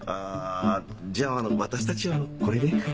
あじゃあ私たちはこれで。